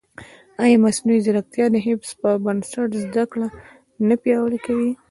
ایا مصنوعي ځیرکتیا د حفظ پر بنسټ زده کړه نه پیاوړې کوي؟